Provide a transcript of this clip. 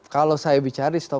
kalau saya bicara stop